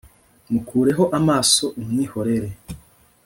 mukureho amaso umwihorere